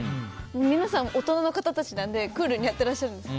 皆さん、大人な方たちなのでクールにやってらっしゃるんです。